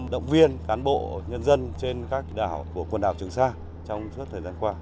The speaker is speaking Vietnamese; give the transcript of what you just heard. động viên cán bộ nhân dân trên các đảo của quần đảo trường sa trong suốt thời gian qua